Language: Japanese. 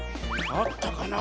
あったかな？